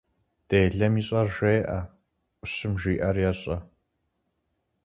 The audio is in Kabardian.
Делэм ищӏэр жеӏэ, ӏущым жиӏэр ещӏэ.